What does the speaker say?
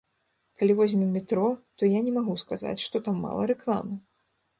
Калі возьмем метро, то я не магу сказаць, што там мала рэкламы.